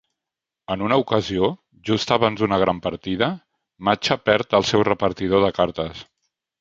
En una ocasió, just abans d'una gran partida, Macha perd el seu repartidor de cartes.